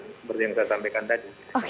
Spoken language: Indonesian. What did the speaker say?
seperti yang saya sampaikan tadi